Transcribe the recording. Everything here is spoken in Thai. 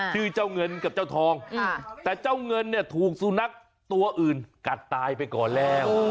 ชื่อเจ้าเงินกับเจ้าทองแต่เจ้าเงินเนี่ยถูกสุนัขตัวอื่นกัดตายไปก่อนแล้ว